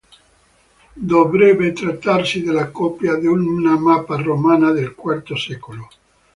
Dovrebbe trattarsi della copia di una mappa romana del quarto secolo.